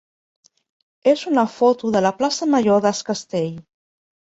és una foto de la plaça major d'Es Castell.